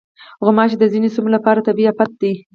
غوماشې د ځینو سیمو لپاره طبعي افت دی.